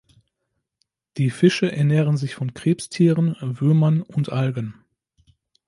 Die Fische ernähren sich von Krebstieren, Würmern und Algen.